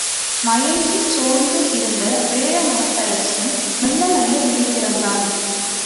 மயங்கிச் சோர்ந்து இருந்த வேழ நாட்டரசன் மெல்லமெல்ல விழி திறந்தான்.